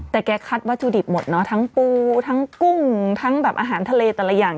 แต่แกคัดวัตถุดิบหมดเนอะทั้งปูทั้งกุ้งทั้งแบบอาหารทะเลแต่ละอย่าง